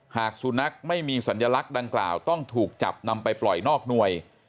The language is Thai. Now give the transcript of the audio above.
หากสุนัขไม่มีสัญลักษณ์ดังกล่าวต้องถูกจับนำไปปล่อยนอกหน่วย